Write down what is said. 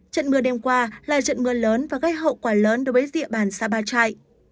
trận mưa đêm qua là trận mưa lớn và gây hậu quả lớn đối với địa bàn xa ba trại